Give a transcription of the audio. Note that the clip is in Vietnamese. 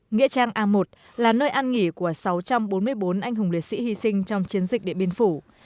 nghĩa trang a một là nơi an nghỉ của sáu trăm bốn mươi bốn anh hùng liệt sĩ hy sinh trong chiến dịch điện biên phủ